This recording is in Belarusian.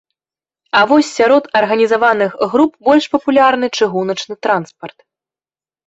А вось сярод арганізаваных груп больш папулярны чыгуначны транспарт.